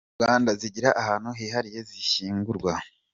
Rwanda zigira ahantu hihariye zishyingurwa.